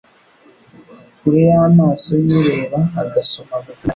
kure y'amaso y'ureba agasoma mu mitima yabo.